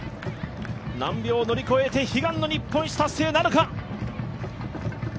難病を乗り越えて悲願の日本一達成なるか。